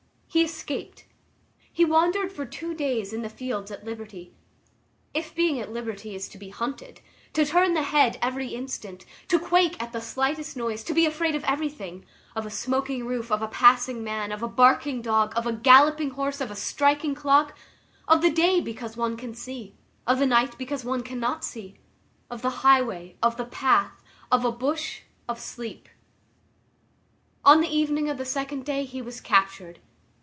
He escaped. He wandered for two days in the fields at liberty, if being at liberty is to be hunted, to turn the head every instant, to quake at the slightest noise, to be afraid of everything,—of a smoking roof, of a passing man, of a barking dog, of a galloping horse, of a striking clock, of the day because one can see, of the night because one cannot see, of the highway, of the path, of a bush, of sleep. On the evening of the second day he was captured.